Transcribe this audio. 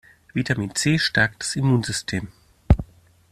Vitamin C stärkt das Immunsystem.